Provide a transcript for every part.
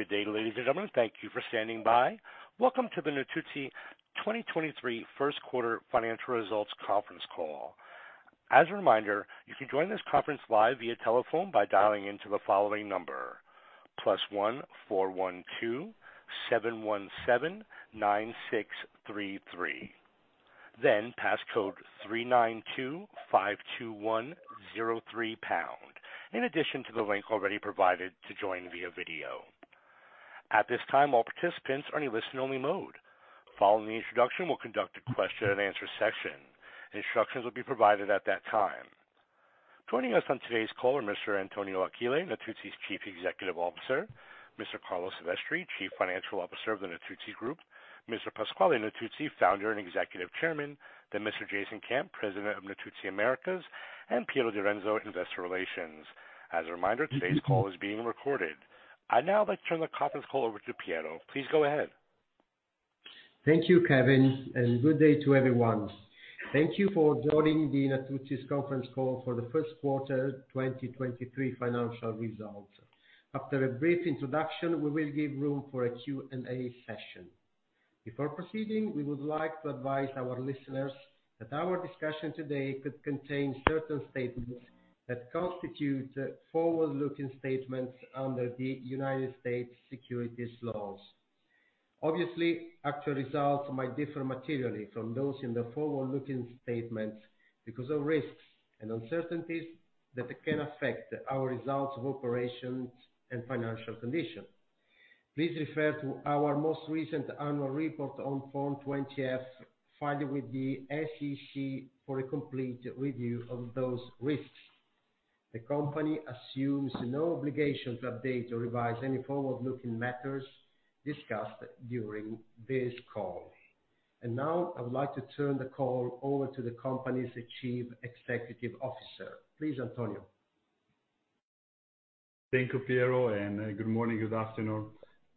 Good day, ladies and gentlemen. Thank you for standing by. Welcome to the Natuzzi 2023 first quarter financial results conference call. As a reminder, you can join this conference live via telephone by dialing into the following number, +1 4127179633. Passcode 39252103#, in addition to the link already provided to join via video. At this time, all participants are in a listen-only mode. Following the introduction, we'll conduct a question and answer session. Instructions will be provided at that time. Joining us on today's call are Mr. Antonio Achille, Natuzzi's Chief Executive Officer; Mr. Carlo Silvestri, Chief Financial Officer of the Natuzzi Group; Mr. Pasquale Natuzzi, Founder and Executive Chairman; then Mr. Jason Camp, President of Natuzzi Americas; and Piero Direnzo, Investor Relations. As a reminder, today's call is being recorded. I'd now like to turn the conference call over to Piero. Please go ahead. Thank you, Kevin. Good day to everyone. Thank you for joining the Natuzzi's conference call for the first quarter 2023 financial results. After a brief introduction, we will give room for a Q&A session. Before proceeding, we would like to advise our listeners that our discussion today could contain certain statements that constitute forward-looking statements under the United States securities laws. Obviously, actual results might differ materially from those in the forward-looking statements because of risks and uncertainties that can affect our results of operations and financial condition. Please refer to our most recent annual report on Form 20-F, filed with the SEC for a complete review of those risks. The company assumes no obligation to update or revise any forward-looking matters discussed during this call. Now, I would like to turn the call over to the company's Chief Executive Officer. Please, Antonio. Thank you, Piero, good morning, good afternoon,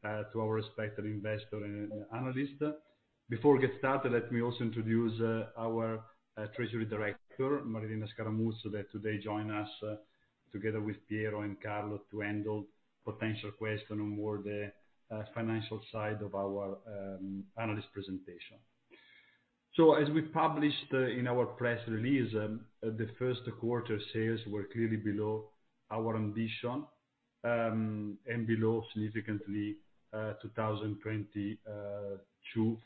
to our respected investor and analyst. Before we get started, let me also introduce our Treasury Director, Marilena Scaramuzzo, that today join us together with Piero and Carlo, to handle potential question on more the financial side of our analyst presentation. As we published in our press release, the first quarter sales were clearly below our ambition, and below significantly 2022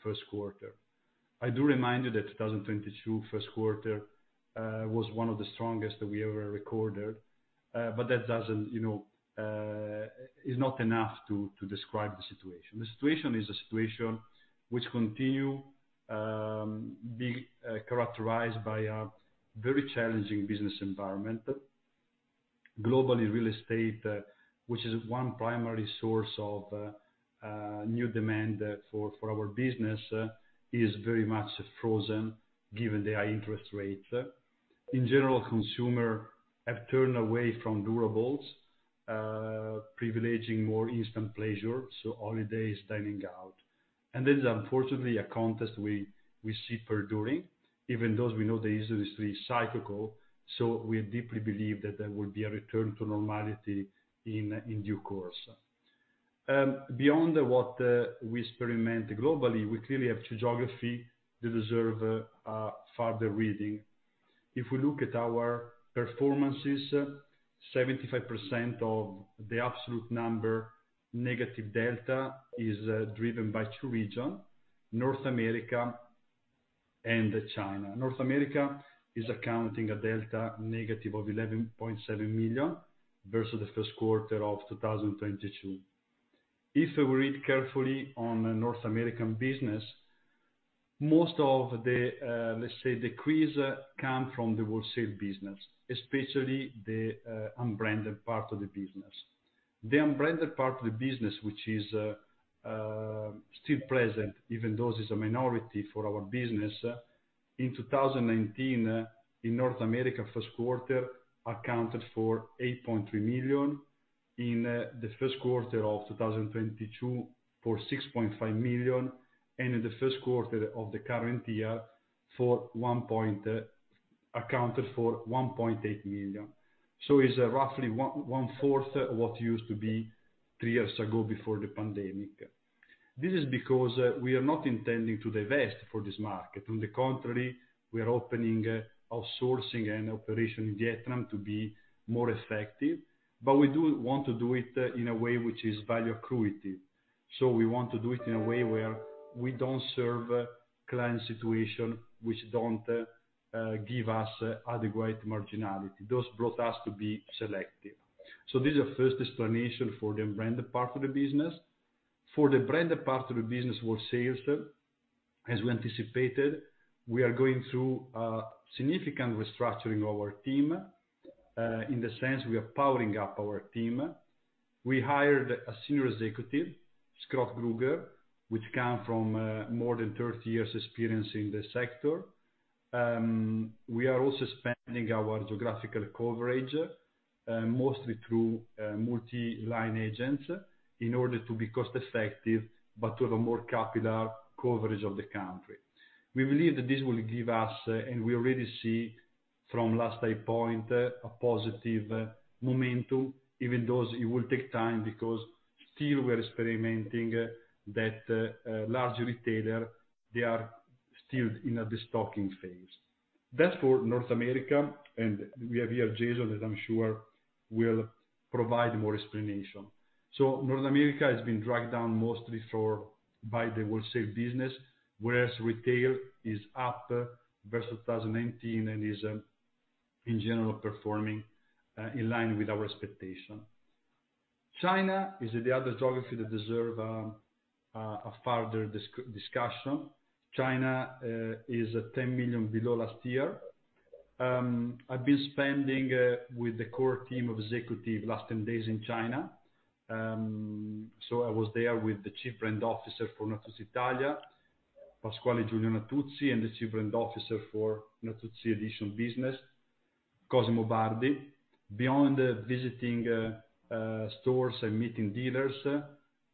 first quarter. I do remind you that 2022 first quarter was one of the strongest that we ever recorded, that doesn't, you know, is not enough to describe the situation. The situation is a situation which continue being characterized by a very challenging business environment. Globally, real estate, which is one primary source of new demand for our business, is very much frozen given the high interest rates. In general, consumer have turned away from durables, privileging more instant pleasure, so holiday is dining out. This is unfortunately a contest we see perduring, even those we know the industry is cyclical, so we deeply believe that there will be a return to normality in due course. Beyond what we experiment globally, we clearly have geography that deserve further reading. If we look at our performances, 75% of the absolute number, negative delta, is driven by two region, North America and China. North America is accounting a delta -$11.7 million versus the first quarter of 2022. If we read carefully on North American business, most of the, let's say, decrease, come from the wholesale business, especially the unbranded part of the business. The unbranded part of the business, which is still present, even though it's a minority for our business. In 2019, in North America, first quarter accounted for 8.3 million, in the first quarter of 2022, for 6.5 million, and in the first quarter of the current year, accounted for 1.8 million. It's roughly 1/4 what used to be three years ago before the pandemic. This is because we are not intending to divest for this market. On the contrary, we are opening outsourcing and operation in Vietnam to be more effective, but we do want to do it in a way which is value accretive. We want to do it in a way where we don't serve client situation, which don't give us adequate marginality. Those brought us to be selective. This is our first explanation for the unbranded part of the business. For the branded part of the business, we're sales rep. As we anticipated, we are going through a significant restructuring of our team, in the sense we are powering up our team. We hired a senior executive, Scott Krueger, which come from more than 30 years experience in the sector. We are also expanding our geographical coverage, mostly through multi-line agents, in order to be cost effective, but to have a more capital coverage of the country. We believe that this will give us, and we already from last data point, a positive momentum, even though it will take time because still we're experimenting that large retailer, they are still in a destocking phase. That's for North America, we have here Jason, as I'm sure will provide more explanation. North America has been dragged down mostly by the wholesale business, whereas retail is up versus 2018, and is in general, performing in line with our expectation. China is the other geography that deserve a further discussion. China is at 10 million below last year. I've been spending with the core team of executive last 10 days in China. I was there with the Chief Brand Officer for Natuzzi Italia, Pasquale Junior Natuzzi, and the Chief Brand Officer for Natuzzi Editions business, Cosimo Bardi. Beyond visiting stores and meeting dealers,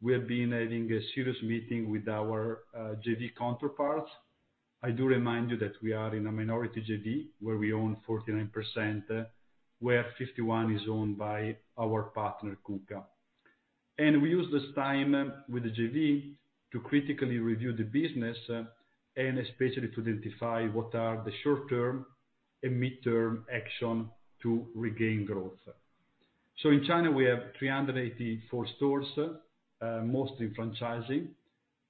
we have been having a serious meeting with our JV counterparts. I do remind you that we are in a minority JV, where we own 49%, where 51 is owned by our partner, Kuka. We use this time with the JV to critically review the business and especially to identify what are the short-term and mid-term action to regain growth. In China, we have 384 stores, mostly franchising,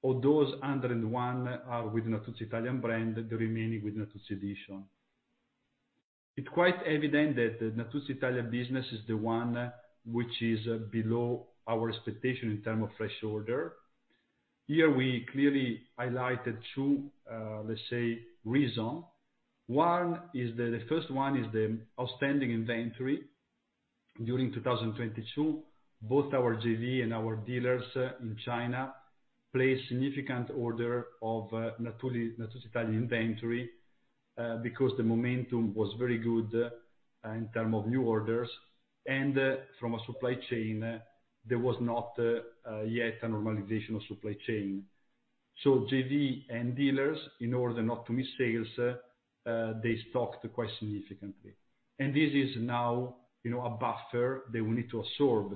of those, 101 are with Natuzzi Italian brand, the remaining with Natuzzi Editions. It's quite evident that the Natuzzi Italia business is the one which is below our expectation in terms of fresh order. We clearly highlighted two, let's say, reasons. One is the first one is the outstanding inventory. During 2022, both our JV and our dealers in China, placed significant order of Natuzzi Italia inventory, because the momentum was very good in terms of new orders, and from a supply chain, there was not yet a normalization of supply chain. JV and dealers, in order not to miss sales, they stocked quite significantly. This is now, you know, a buffer that we need to absorb.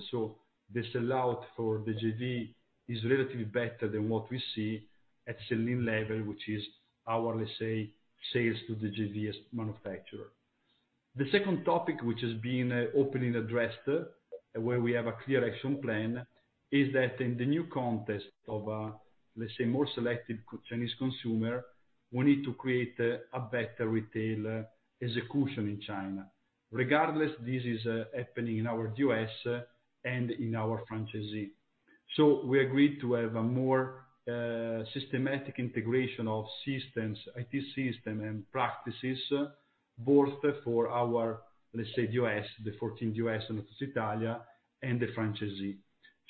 The sellout for the JV is relatively better than what we see at selling level, which is our, let's say, sales to the JV as manufacturer. The second topic, which has been openly addressed, where we have a clear action plan, is that in the new context of, let's say, more selective Chinese consumer, we need to create a better retail execution in China. Regardless, this is happening in our U.S. and in our franchisee. We agreed to have a more systematic integration of systems, IT system and practices, both for our, let's say, U.S., the 14 U.S. Natuzzi Italia, and the franchisee.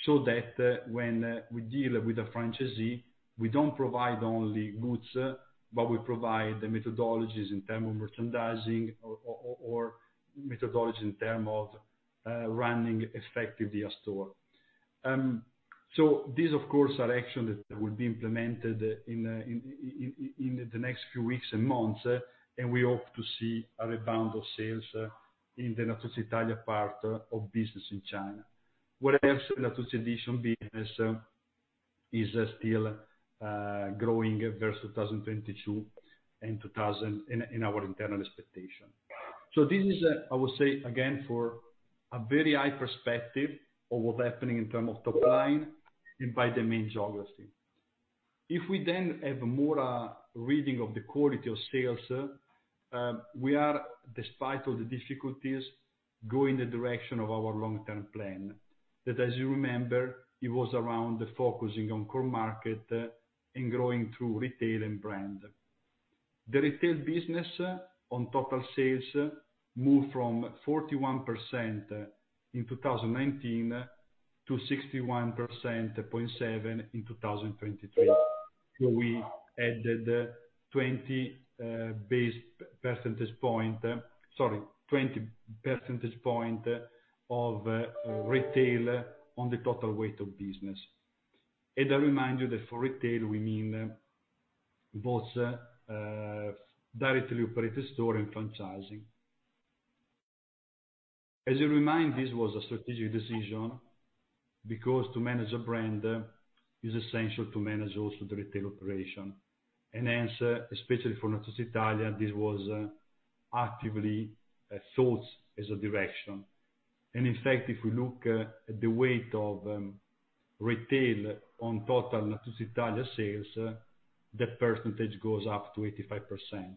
That when we deal with the franchisee, we don't provide only goods, but we provide the methodologies in term of merchandising or methodology in term of running effectively a store. These, of course, are action that will be implemented in the next few weeks and months, and we hope to see a rebound of sales in the Natuzzi Italia part of business in China. Whereas Natuzzi Editions business is still growing versus 2022 and in our internal expectation. This is, I will say again, for a very high perspective of what's happening in term of top line and by the main geography. If we then have more reading of the quality of sales, we are, despite all the difficulties, going the direction of our long-term plan. That as you remember, it was around the focusing on core market and growing through retail and brand. The retail business on total sales moved from 41% in 2019 to 61.7% in 2023. We added 20 base percentage point, sorry, 20 percentage point of retail on the total weight of business. I remind you that for retail, we mean both directly operated store and franchising. As you remind, this was a strategic decision, because to manage a brand is essential to manage also the retail operation. Hence, especially for Natuzzi Italia, this was actively thought as a direction. In fact, if we look at the weight of retail on total Natuzzi Italia sales, the percentage goes up to 85%,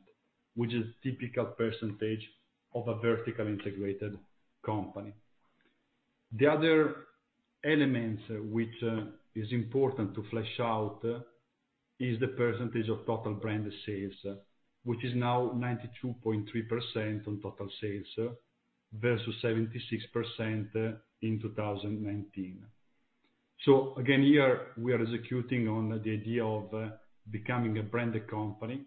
which is typical percentage of a vertically integrated company. The other elements which is important to flesh out is the percentage of total brand sales, which is now 92.3% on total sales, versus 76% in 2019. Again, here we are executing on the idea of becoming a branded company.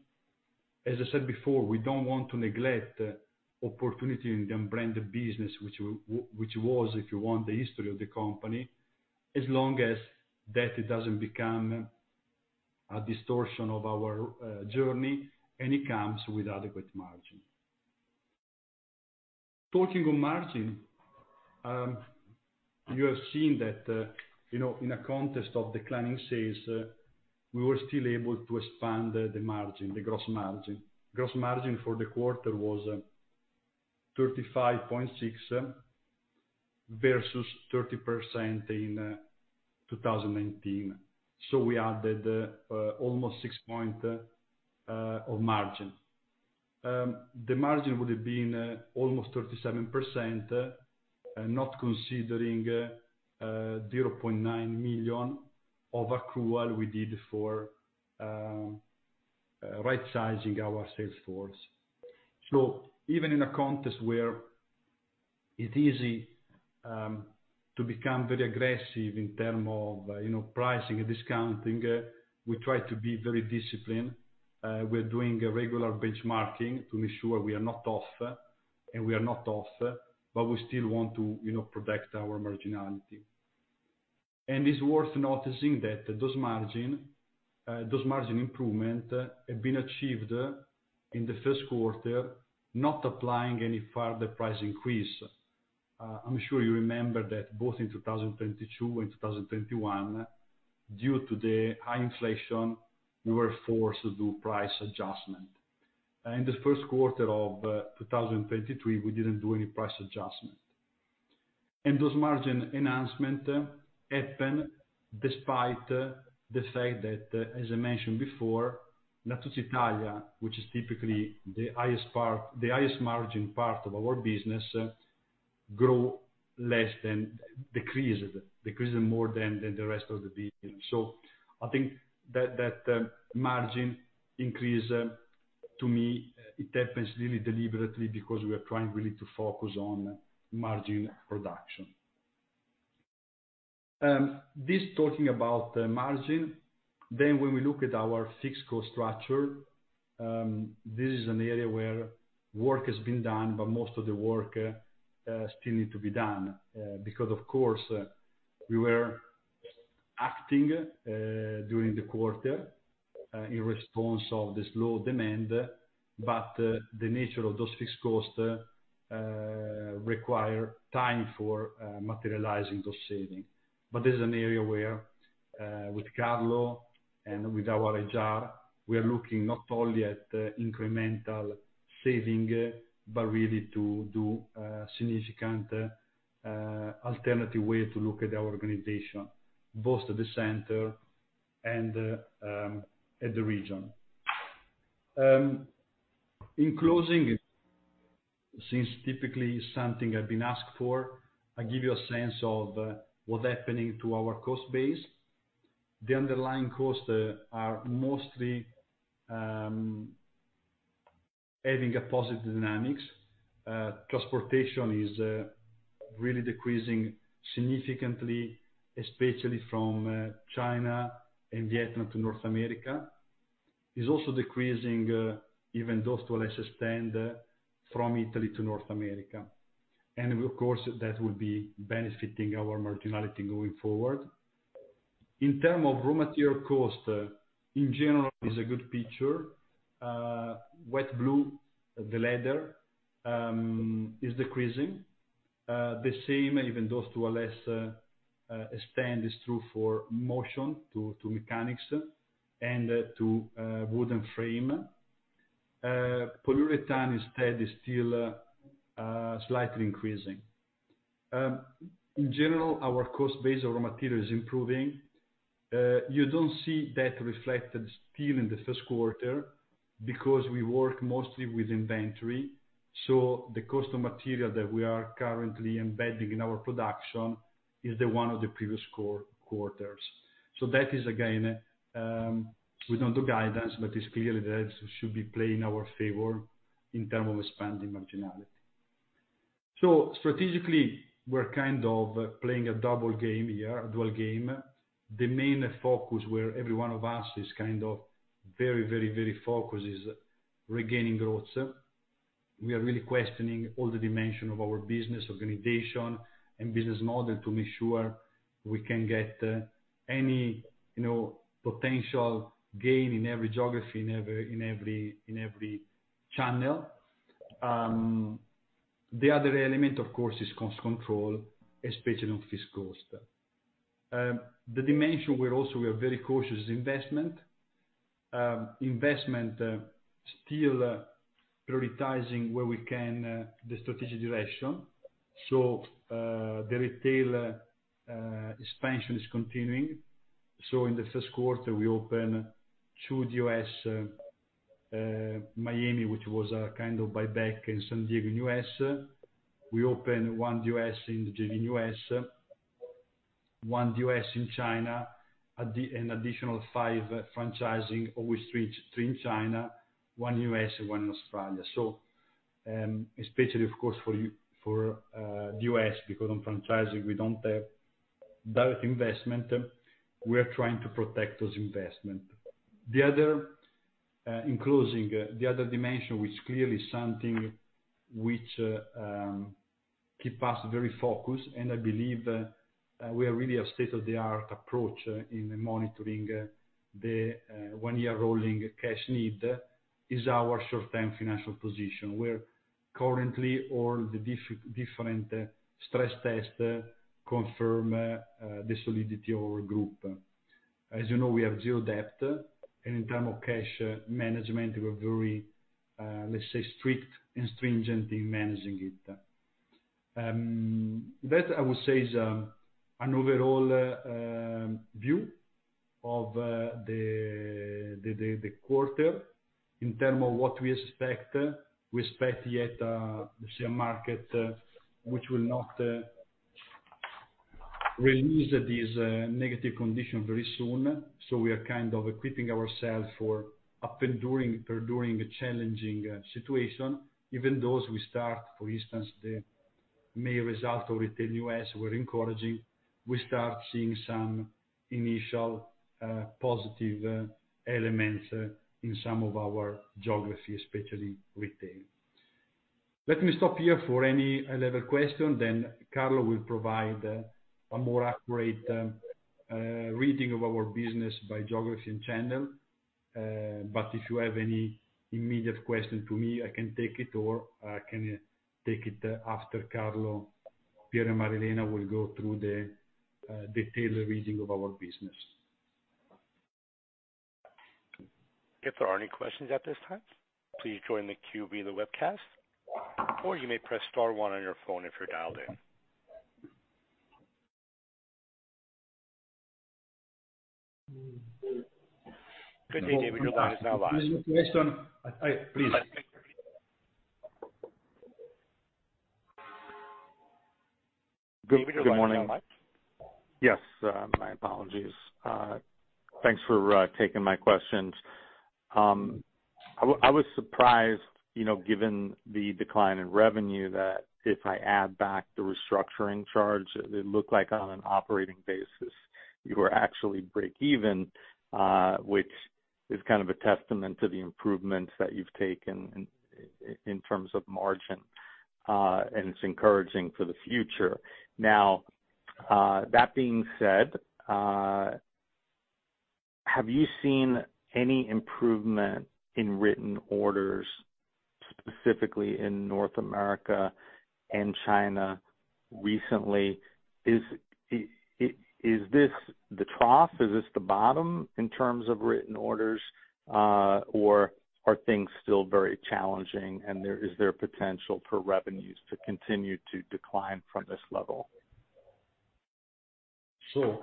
As I said before, we don't want to neglect opportunity in the unbranded business, which was, if you want, the history of the company, as long as that it doesn't become a distortion of our journey, and it comes with adequate margin. Talking on margin, you have seen that, you know, in a context of declining sales, we were still able to expand the margin, the gross margin. Gross margin for the quarter was 35.6% versus 30% in 2019, we added almost 6 point of margin. The margin would have been almost 37% not considering 0.9 million of accrual we did for right sizing our sales force. Even in a context where it's easy to become very aggressive in term of, you know, pricing and discounting, we try to be very disciplined. We're doing a regular benchmarking to make sure we are not off, and we are not off, but we still want to, you know, protect our marginality. It's worth noticing that those margin, those margin improvement have been achieved in the first quarter, not applying any further price increase. I'm sure you remember that both in 2022 and 2021, due to the high inflation, we were forced to do price adjustment. In the first quarter of 2023, we didn't do any price adjustment. Those margin enhancement happen despite the fact that, as I mentioned before, Natuzzi Italia, which is typically the highest margin part of our business, decreased more than the rest of the business. I think that margin increase, to me, it happens really deliberately because we are trying really to focus on margin production. This talking about the margin, when we look at our fixed cost structure, this is an area where work has been done, but most of the work still need to be done. Because, of course, we were acting during the quarter, in response of this low demand, the nature of those fixed costs require time for materializing those saving. This is an area where, with Carlo and with our HR, we are looking not only at incremental saving, but really to do significant alternative way to look at our organization, both at the center and at the region. In closing, since typically is something I've been asked for, I'll give you a sense of what's happening to our cost base. The underlying costs are mostly adding a positive dynamics. Transportation is really decreasing significantly, especially from China and Vietnam to North America. Is also decreasing, even though to a lesser extent, from Italy to North America. Of course, that will be benefiting our marginality going forward. In term of raw material cost, in general, is a good picture. Wet blue, the leather, is decreasing. The same, even though to a less extent, is true for motion to mechanics, and to wooden frame. Polyurethane instead is still slightly increasing. In general, our cost base of raw material is improving. You don't see that reflected still in the first quarter because we work mostly with inventory, so the cost of material that we are currently embedding in our production is the one of the previous quarters. That is, again, we don't do guidance, but it's clearly that should be playing our favor in term of expanding marginality. Strategically, we're kind of playing a double game here, a dual game. The main focus where every one of us is kind of very focused is regaining growth. We are really questioning all the dimension of our business, organization, and business model to make sure we can get, any, you know, potential gain in every geography, in every channel. The other element, of course, is cost control, especially on fixed cost. The dimension where also we are very cautious is investment. Investment, still, prioritizing where we can, the strategic direction. The retail, expansion is continuing. In the first quarter, we opened two DOS, Miami, which was a kind of buyback in San Diego, U.S. We opened 1 DOS in the U.S., 1 DOS in China, an additional 5 franchising, of which 3 in China, 1 U.S., and 1 in Australia. Especially, of course, for DOS, because on franchising, we don't have direct investment, we are trying to protect those investment. The other dimension, which clearly is something which keep us very focused, and I believe we are really a state-of-the-art approach in monitoring the 1-year rolling cash need, is our short-term financial position, where currently all the different stress tests confirm the solidity of our Group. As you know, we have zero debt, and in term of cash management, we're very, let's say strict and stringent in managing it. That, I would say, is an overall view of the, the quarter. In term of what we expect, we expect yet, let's say, a market which will not release these negative conditions very soon. We are kind of equipping ourselves for up enduring a challenging situation, even those we start, for instance, the May result of retail U.S. were encouraging. We start seeing some initial positive elements in some of our geography, especially retail. Let me stop here for any high-level question, then Carlo will provide a more accurate reading of our business by geography and channel. If you have any immediate question to me, I can take it, or I can take it after Carlo, Piero and Marilena will go through the detailed reading of our business. If there are any questions at this time, please join the queue via the webcast, or you may press star one on your phone if you're dialed in. Good day, David. Your line is now live. Please. Good morning. Good morning. Yes, my apologies. Thanks for taking my questions. I was surprised, you know, given the decline in revenue, that if I add back the restructuring charge, it looked like on an operating basis, you were actually break even, which is kind of a testament to the improvements that you've taken in terms of margin, and it's encouraging for the future. That being said, have you seen any improvement in written orders, specifically in North America and China recently? Is this the trough? Is this the bottom in terms of written orders, or are things still very challenging, is there potential for revenues to continue to decline from this level? Sure.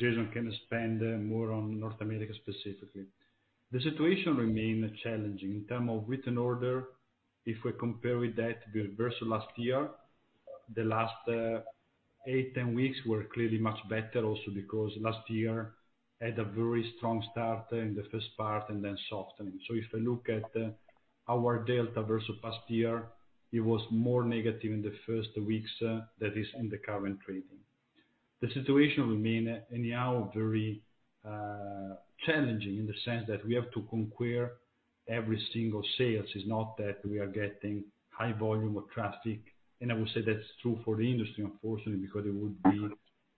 Jason can expand more on North America, specifically. The situation remain challenging. In term of written order, if we compare with that versus last year, the last 8 weeks, 10 weeks were clearly much better, also because last year had a very strong start in the first part and then softening. If I look at our delta versus past year, it was more negative in the first weeks, that is in the current trading. The situation remain anyhow, very challenging in the sense that we have to conquer every single sales. It's not that we are getting high volume or traffic, and I would say that's true for the industry, unfortunately, because it would be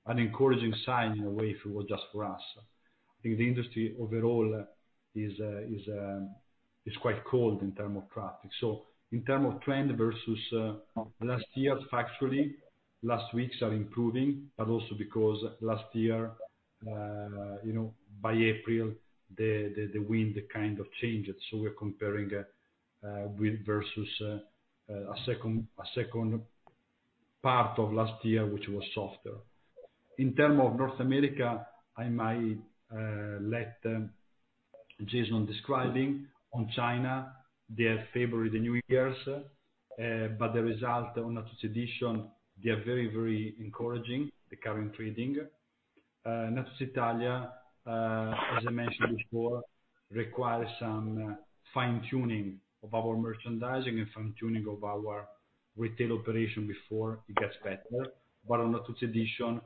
an encouraging sign in a way, if it was just for us. I think the industry overall is quite cold in term of traffic. In term of trend versus last year, factually, last weeks are improving, but also because last year, you know, by April, the wind kind of changed. We're comparing with versus a second part of last year, which was softer. In term of North America, I might let Jason describing. On China, they have favored the New Year's, but the result on Natuzzi Editions, they are very, very encouraging, the current trading. Natuzzi Italia, as I mentioned before, requires some fine-tuning of our merchandising and fine-tuning of our retail operation before it gets better. On Natuzzi Editions,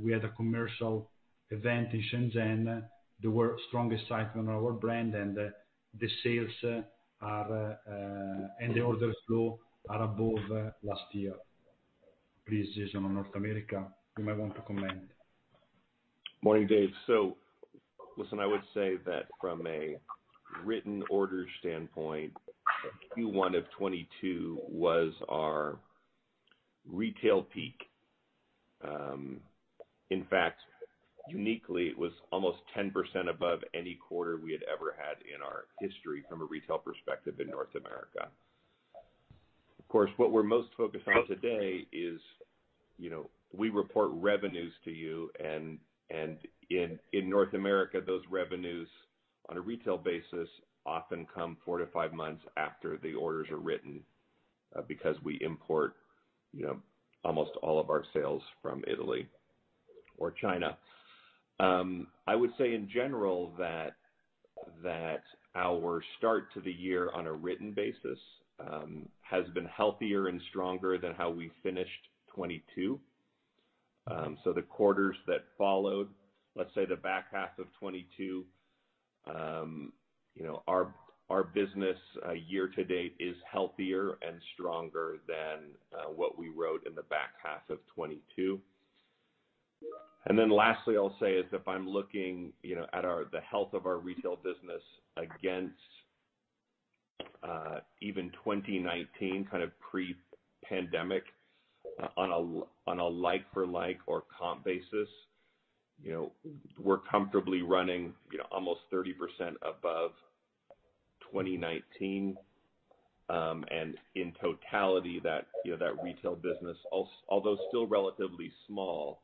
we had a commercial event in Shenzhen. They were strongest site on our brand, and the sales are and the orders flow are above last year. Please, Jason, on North America, you might want to comment. Morning, Dave. Listen, I would say that from a written order standpoint, Q1 2022 was our retail peak. In fact, uniquely, it was almost 10% above any quarter we had ever had in our history from a retail perspective in North America. Of course, what we're most focused on today is, you know, we report revenues to you, and in North America, those revenues, on a retail basis, often come 4 months-5 months after the orders are written, because we import, you know, almost all of our sales from Italy or China. I would say in general that our start to the year on a written basis has been healthier and stronger than how we finished 2022. The quarters that followed, let's say the back half of 2022, you know, our business year to date is healthier and stronger than what we wrote in the back half of 2022. Lastly, I'll say is if I'm looking, you know, at the health of our retail business against even 2019 kind of pre-pandemic on a like for like or comp basis, you know, we're comfortably running, you know, almost 30% above 2019. In totality, that, you know, that retail business, although still relatively small,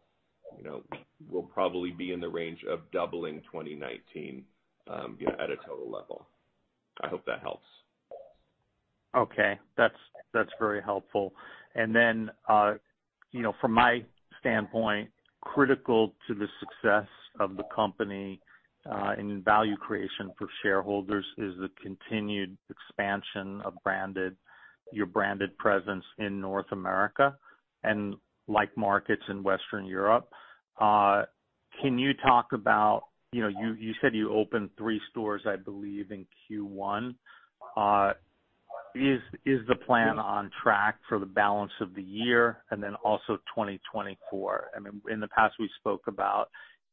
you know, we'll probably be in the range of doubling 2019, you know, at a total level. I hope that helps. Okay, that's very helpful. Then, you know, from my standpoint, critical to the success of the company, and value creation for shareholders is the continued expansion of branded, your branded presence in North America and like markets in Western Europe. Can you talk about, you know, you said you opened three stores, I believe, in Q1. Is the plan on track for the balance of the year and then also 2024? I mean, in the past, we spoke about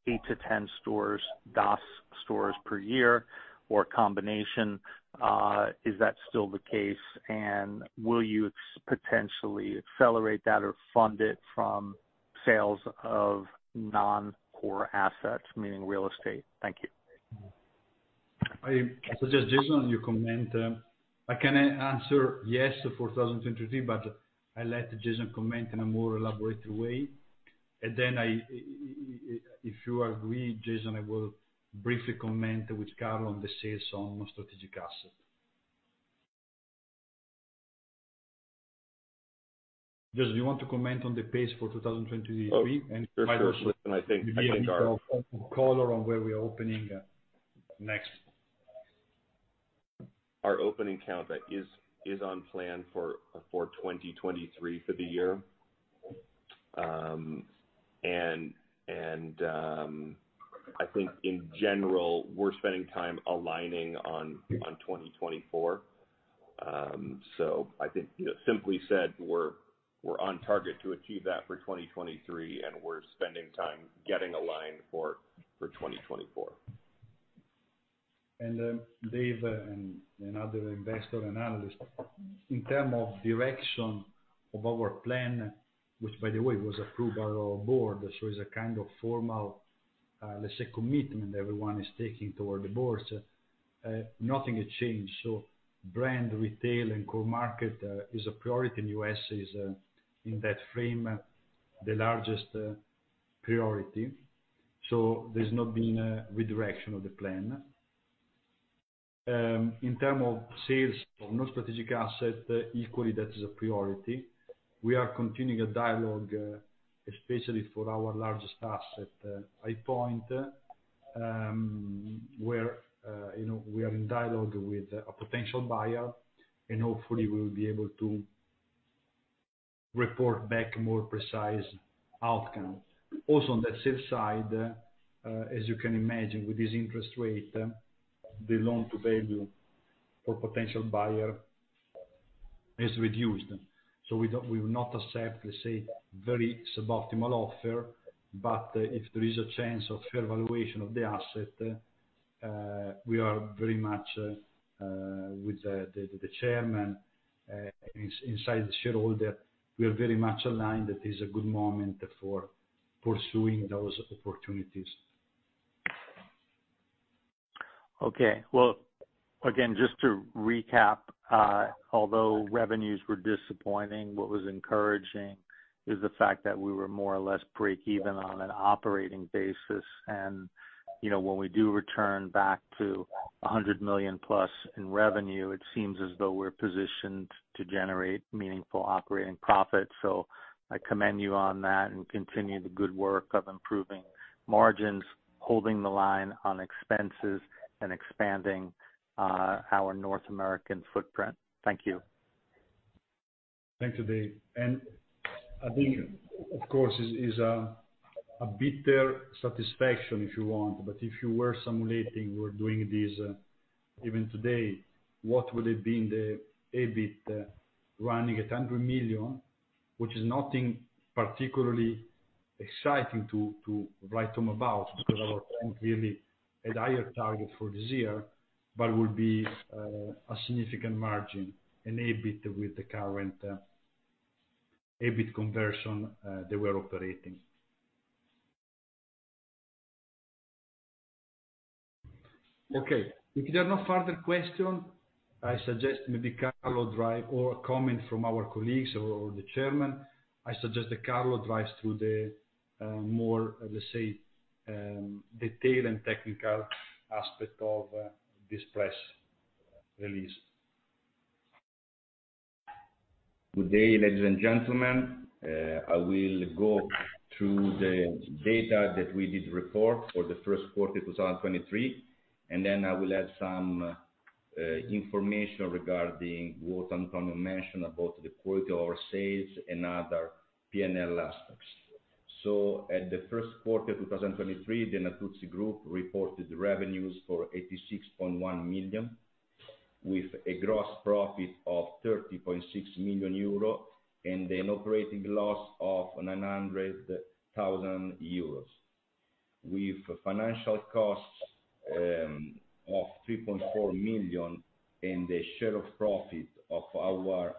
8 stores-10 stores, DOS stores per year or combination. Is that still the case? Will you potentially accelerate that or fund it from sales of non-core assets, meaning real estate? Thank you. I suggest, Jason, you comment. I can answer yes, for 2023, but I let Jason comment in a more elaborate way. Then if you agree, Jason, I will briefly comment with Carlo on the sales on strategic asset. Jason, do you want to comment on the pace for 2023? Oh, sure. I think. Color on where we are opening, next. Our opening count that is on plan for 2023 for the year. I think in general, we're spending time aligning on 2024. I think, you know, simply said, we're on target to achieve that for 2023, and we're spending time getting aligned for 2024. Dave, and other investor analyst, in term of direction of our plan, which, by the way, was approved by our board, so is a kind of formal, let's say, commitment everyone is taking toward the board, nothing has changed. Brand, retail, and core market, is a priority, and U.S. is, in that frame, the largest, priority. There's not been a redirection of the plan. In term of sales of non-strategic asset, equally, that is a priority. We are continuing a dialogue, especially for our largest asset, High Point, where, you know, we are in dialogue with a potential buyer, and hopefully we will be able to report back more precise outcome. Also, on the sales side, as you can imagine, with this interest rate, the loan to value for potential buyer is reduced. We will not accept, let's say, very suboptimal offer, but if there is a chance of fair valuation of the asset, we are very much with the Chairman inside the shareholder, we are very much aligned that is a good moment for pursuing those opportunities. Okay. Well, again, just to recap, although revenues were disappointing, what was encouraging is the fact that we were more or less break even on an operating basis. You know, when we do return back to a 100 million+ in revenue, it seems as though we're positioned to generate meaningful operating profits. I commend you on that and continue the good work of improving margins, holding the line on expenses, and expanding, our North American footprint. Thank you. Thanks, Dave. I think, of course, is a bitter satisfaction, if you want, but if you were simulating, we're doing this even today, what would it be in the EBIT running at 100 million, which is nothing particularly exciting to write them about, because our clearly a higher target for this year, but would be a significant margin in EBIT with the current EBIT conversion that we're operating. Okay, if there are no further questions, I suggest maybe Carlo drive or a comment from our colleagues or the Chairman. I suggest that Carlo drives through the more, let's say, detail and technical aspect of this press release. Good day, ladies and gentlemen. I will go through the data that we did report for the first quarter 2023, and then I will add some information regarding what Antonio mentioned about the quality of our sales and other P&L aspects. At the first quarter 2023, the Natuzzi Group reported revenues for 86.1 million, with a gross profit of 30.6 million euro, and an operating loss of 0.9 million euros. With financial costs of 3.4 million, and the share of profit of our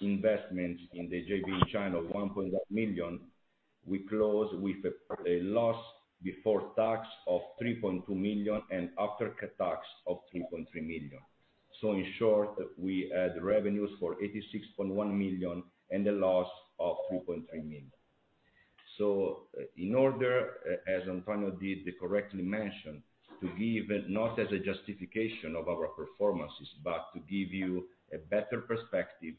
investments in the JV in China of 1.1 million, we close with a loss before tax of 3.2 million and after ca tax of 3.3 million. In short, we had revenues for 86.1 million and a loss of 3.3 million. In order, as Antonio did correctly mention, to give, not as a justification of our performances, but to give you a better perspective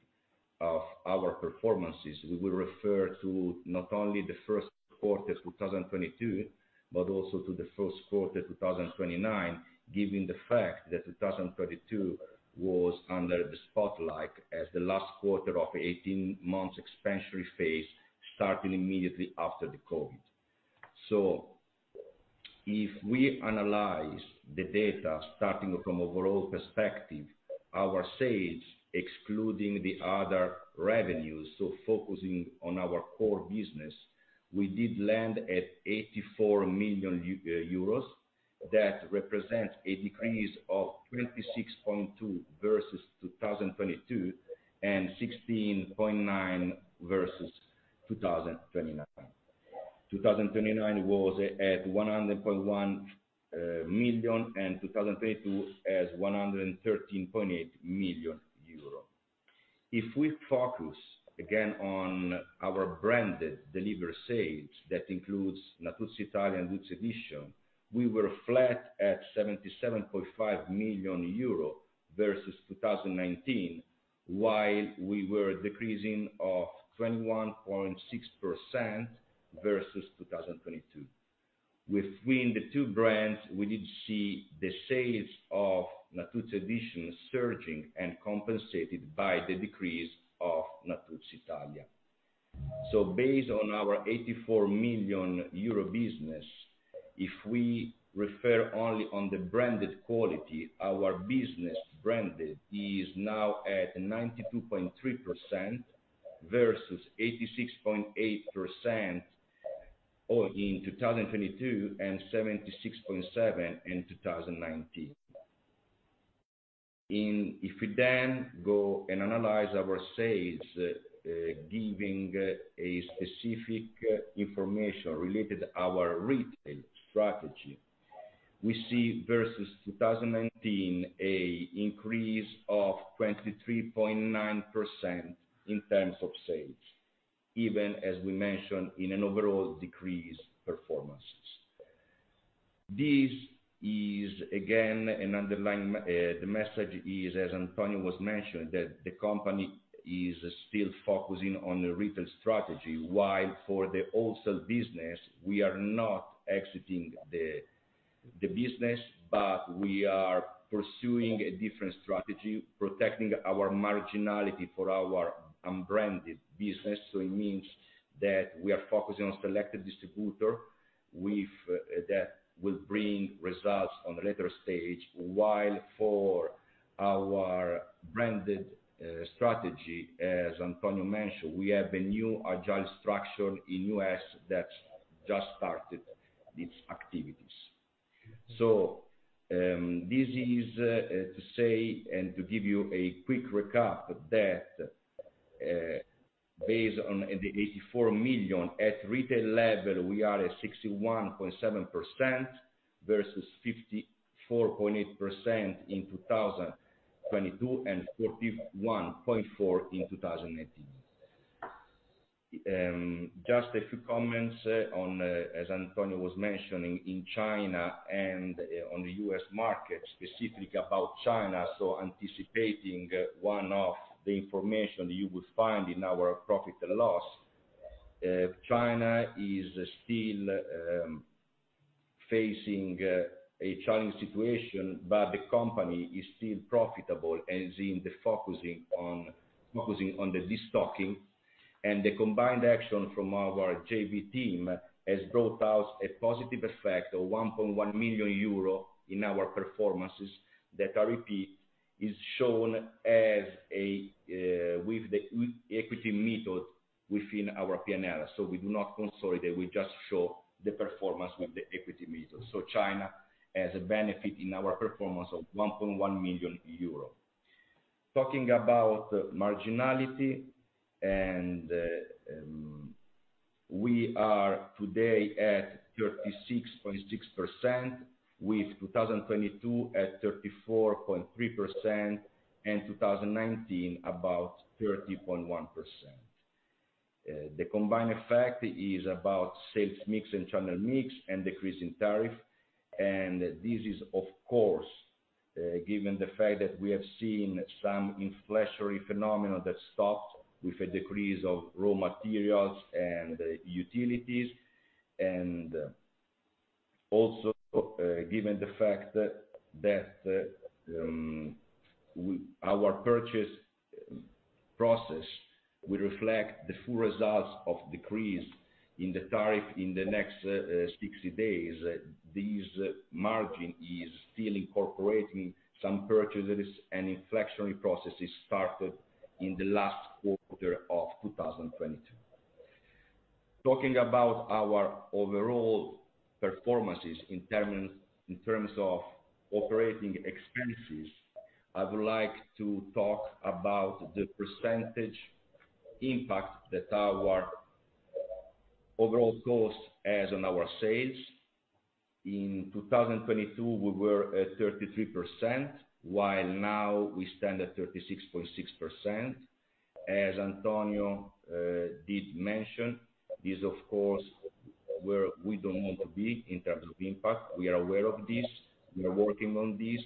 of our performances, we will refer to not only the first quarter 2022, but also to the first quarter 2023, given the fact that 2022 was under the spotlight as the last quarter of 18 months expansionary phase, starting immediately after the COVID. If we analyze the data, starting from overall perspective, our sales, excluding the other revenues, so focusing on our core business, we did land at 84 million euros. That represent a decrease of 26.2% versus 2022, and 16.9% versus 2023. 2029 was at 100.1 million, and 2022 has 113.8 million euro. If we focus again on our branded delivered sales, that includes Natuzzi Italia and Natuzzi Editions, we were flat at 77.5 million euro versus 2019, while we were decreasing of 21.6% versus 2022. Between the two brands, we did see the sales of Natuzzi Editions surging and compensated by the decrease of Natuzzi Italia. Based on our 84 million euro business, if we refer only on the branded quality, our business branded is now at 92.3% versus 86.8% in 2022, and 76.7% in 2019. If we go and analyze our sales, giving a specific information related to our retail strategy, we see versus 2019, a increase of 23.9% in terms of sales, even as we mentioned, in an overall decreased performances. This is, again, an underlying the message is, as Antonio was mentioning, that the company is still focusing on the retail strategy, while for the wholesale business, we are not exiting the business, but we are pursuing a different strategy, protecting our marginality for our unbranded business. It means that we are focusing on selective distributor, with that will bring results on the later stage, while for our branded strategy, as Antonio mentioned, we have a new agile structure in U.S. that just started its activities. This is to say and to give you a quick recap, that based on the 84 million, at retail level, we are at 61.7% versus 54.8% in 2022, and 41.4% in 2018. Just a few comments on as Antonio was mentioning, in China and on the U.S. market, specifically about China. Anticipating one of the information you will find in our profit and loss, China is still facing a challenging situation, but the company is still profitable and is focusing on the destocking. The combined action from our JV team has brought out a positive effect of 1.1 million euro in our performances, that I repeat, is shown as a with the equity method within our P&L. We do not consolidate, we just show the performance with the equity method. China has a benefit in our performance of 1.1 million euro. Talking about the marginality, and we are today at 36.6%, with 2022 at 34.3%, and 2019, about 30.1%. The combined effect is about sales mix and channel mix and decrease in tariff. This is, of course, given the fact that we have seen some inflationary phenomena that stopped with a decrease of raw materials and utilities. Also, given the fact that our purchase process will reflect the full results of decrease in the tariff in the next 60 days. These margin is still incorporating some purchases and inflectionary processes started in the last quarter of 2022. Talking about our overall performances in terms of operating expenses, I would like to talk about the percentage impact that our overall cost has on our sales. In 2022, we were at 33%, while now we stand at 36.6%. As Antonio did mention, this, of course, where we don't want to be in terms of impact. We are aware of this. We are working on this.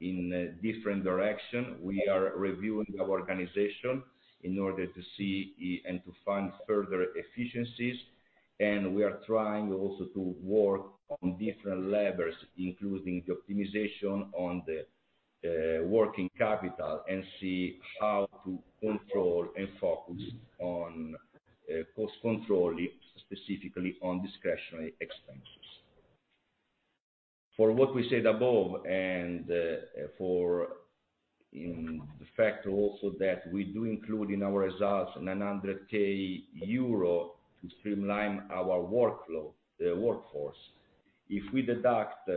In a different direction, we are reviewing our organization in order to see and to find further efficiencies, and we are trying also to work on different levels, including the optimization on the working capital, and see how to control and focus on cost control, specifically on discretionary expenses. For what we said above, for in the fact also that we do include in our results 0.9 million euro to streamline our workforce. If we deduct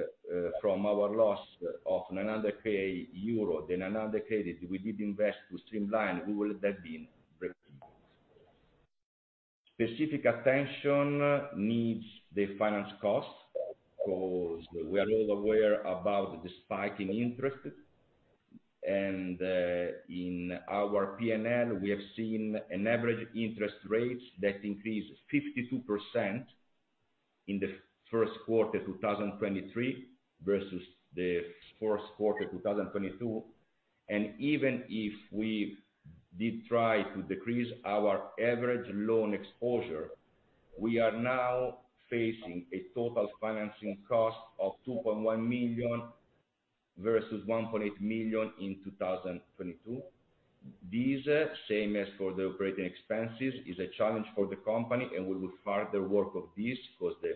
from our loss of 0.9 million euro, the EUR 0.9 million credit we did invest to streamline, we would have been breaking. Specific attention needs the finance costs, because we are all aware about the spike in interest. In our P&L, we have seen an average interest rate that increased 52% in the first quarter, 2023, versus the fourth quarter, 2022. Even if we did try to decrease our average loan exposure, we are now facing a total financing cost of 2.1 million versus 1.8 million in 2022. These, same as for the operating expenses, is a challenge for the company, and we will further work of this, because the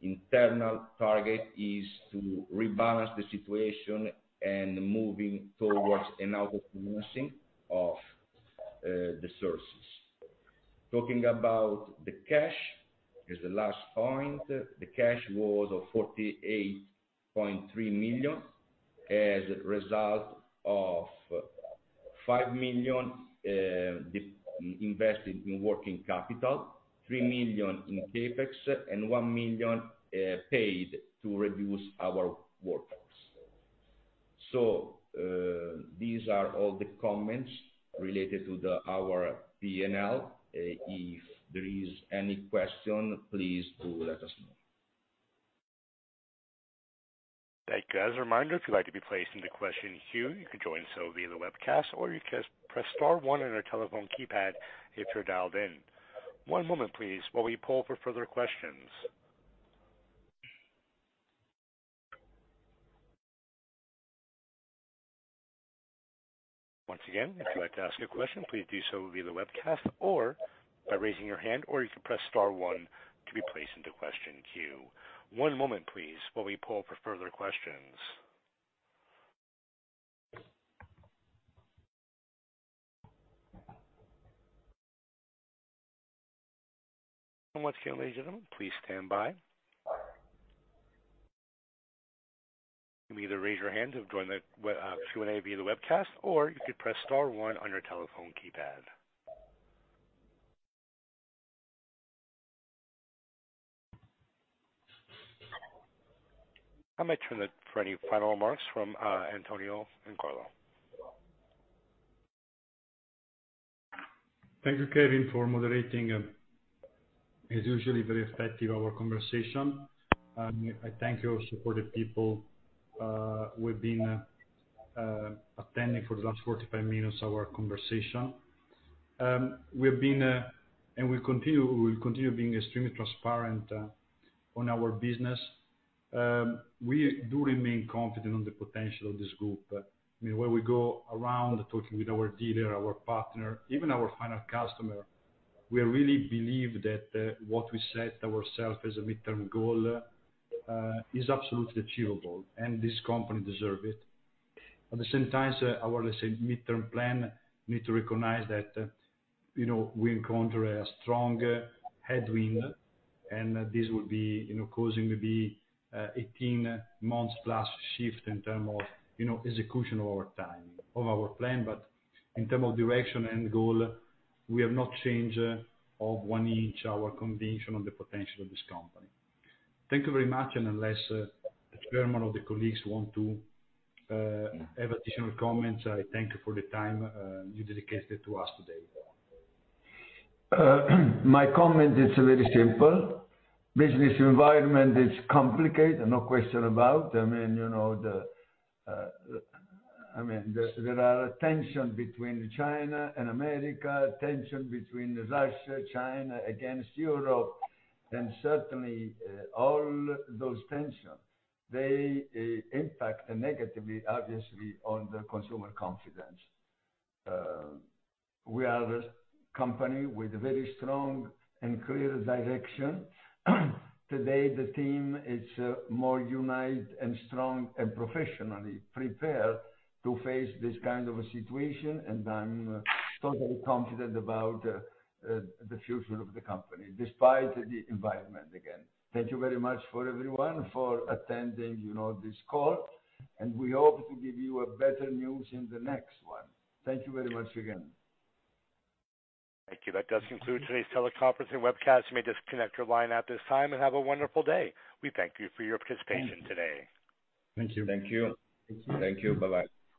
internal target is to rebalance the situation and moving towards an out of using of the sources. Talking about the cash, is the last point. The cash was of 48.3 million as a result of 5 million invested in working capital, 3 million in CapEx and 1 million paid to reduce our workforce. These are all the comments related to the, our P&L. If there is any question, please do let us know. Thank you. As a reminder, if you'd like to be placed in the question queue, you can join so via the webcast, or you can press star one on our telephone keypad if you're dialed in. One moment, please, while we pull for further questions. Once again, if you'd like to ask a question, please do so via the webcast or by raising your hand, or you can press star one to be placed into question queue. One moment, please, while we pull for further questions. Once again, ladies and gentlemen, please stand by. You may either raise your hand to join the web Q&A via the webcast, or you can press star one on your telephone keypad. I might turn it for any final remarks from Antonio and Carlo. Thank you, Kevin, for moderating. It's usually very effective, our conversation. I thank you all supported people, who have been attending for the last 45 minutes, our conversation. We've been, and we continue, we will continue being extremely transparent on our business. We do remain confident on the potential of this group. I mean, when we go around talking with our dealer, our partner, even our final customer, we really believe that what we set ourself as a midterm goal is absolutely achievable, and this company deserve it. At the same time, I want to say midterm plan need to recognize that, you know, we encounter a strong headwind, and this will be, you know, causing the 18 months plus shift in term of, you know, execution over time of our plan. In term of direction and goal, we have not changed of one inch our conviction on the potential of this company. Thank you very much. Unless the chairman or the colleagues want to have additional comments, I thank you for the time you dedicated to us today. My comment is very simple. Business environment is complicated, no question about. I mean, you know, I mean, there are tension between China and America, tension between Russia, China, against Europe, certainly, all those tensions, they impact negatively, obviously, on the consumer confidence. We are a company with a very strong and clear direction. Today, the team is more united and strong and professionally prepared to face this kind of a situation, I'm totally confident about the future of the company, despite the environment, again. Thank you very much for everyone, for attending, you know, this call, we hope to give you a better news in the next one. Thank you very much again. Thank you. That does conclude today's teleconference and webcast. You may disconnect your line at this time and have a wonderful day. We thank you for your participation today. Thank you. Thank you. Thank you. Thank you. Bye-bye.